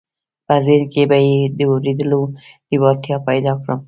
په ذهن کې به یې د اورېدو لېوالتیا پیدا کړم